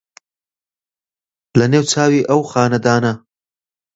لە نێو چاوی ئەو خانەدانە